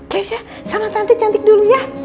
keisha sama tante cantik dulu ya